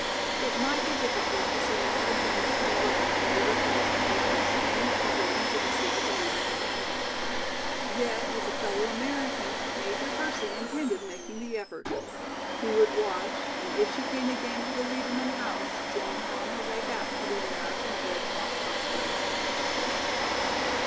It might be difficult to see Nora Jamison alone in order to warn her against any too great intimacy with the Liedermann family. Yet as a fellow American Major Hersey intended making the effort. He would watch and if she came again to the Liedermann house, join her on her way back to the American Red Cross hospital.